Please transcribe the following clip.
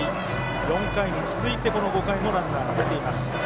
４回に続いて５回もランナーが出ています。